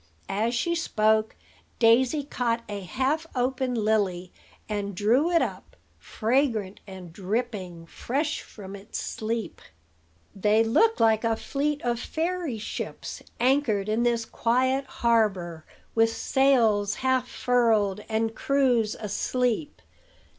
As she spoke, Daisy caught a half open lily, and drew it up, fragrant and dripping, fresh from its sleep. "They look like a fleet of fairy ships, anchored in this quiet harbor, with sails half furled, and crews asleep.